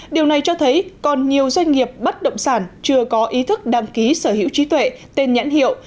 điều này cho thấy còn nhiều doanh nghiệp bất động sản chưa có ý thức đăng ký sở hữu trí tuệ tên nhãn hiệu